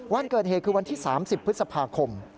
วันเกิดเหตุคือวันที่๓๐พฤษภาคม